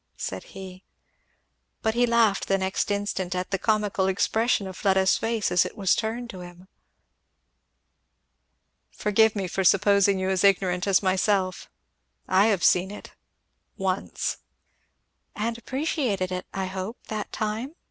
said he. But he laughed the next instant at the comical expression of Fleda's face as it was turned to him. "Forgive me for supposing you as ignorant as myself. I have seen it once." "Appreciated it, I hope, that time?"